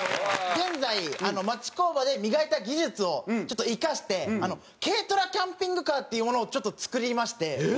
現在町工場で磨いた技術を生かして軽トラ・キャンピングカーっていうものを作りまして。